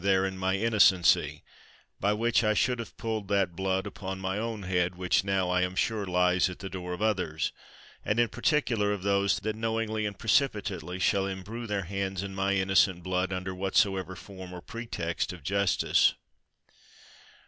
139 THE WORLD'S FAMOUS ORATIONS my innocency; by which I should have pulled that blood upon my own head, which now I am sure lies at the door of others, and in particular of those that knowingly and precipitately shall imbrue their hands in my innocent blood, under whatsover form or pretext of justice.